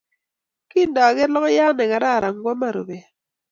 Kindager logoyat ne kararan kwaman rubet.